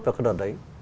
trong cái đợt đấy